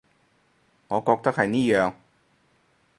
我覺得係呢樣